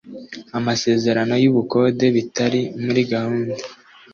amasezerano y ubukode bitari muri gahunda